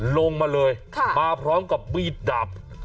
ลงมาเลยมาพร้อมกับมีดดาบ